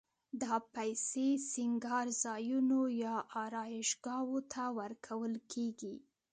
دا پیسې سینګارځایونو یا آرایشګاوو ته ورکول کېږي